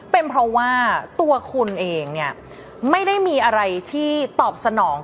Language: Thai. เป็นเพราะว่าตัวคุณเองเนี่ยไม่ได้มีอะไรที่ตอบสนอง